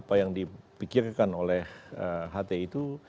pikirkan oleh hti itu